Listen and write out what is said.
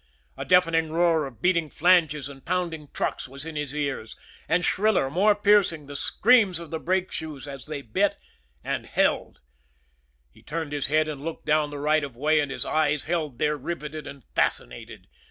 A deafening roar of beating flanges and pounding trucks was in his ears and shriller, more piercing, the screams of the brake shoes as they bit and held. He turned his head and looked down the right of way, and his eyes held there, riveted and fascinated.